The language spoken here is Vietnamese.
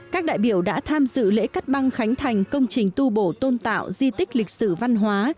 các đại biểu đã tham dự lễ cắt băng khánh thành công trình tu bổ tôn tạo di tích lịch sử văn hóa